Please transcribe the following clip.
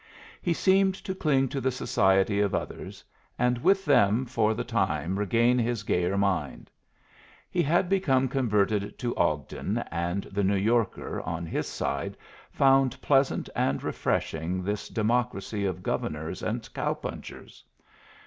He seemed to cling to the society of others, and with them for the time regain his gayer mind. He had become converted to Ogden, and the New Yorker, on his side, found pleasant and refreshing this democracy of Governors and cow punchers.